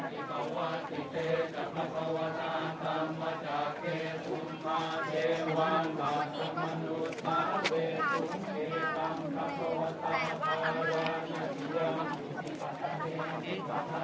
มีผู้ที่ได้รับบาดเจ็บและถูกนำตัวส่งโรงพยาบาลเป็นผู้หญิงวัยกลางคน